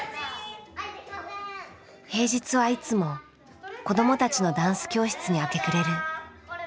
平日はいつも子どもたちのダンス教室に明け暮れる。